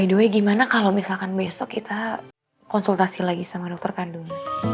by the way gimana kalo misalkan besok kita konsultasi lagi sama dokter kandung